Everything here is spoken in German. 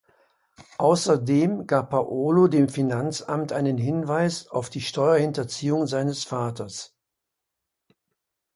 Außerdem gab Paolo dem Finanzamt einen Hinweis auf die Steuerhinterziehung seines Vaters.